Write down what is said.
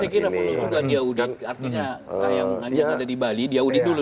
artinya yang ada di bali diaudit dulu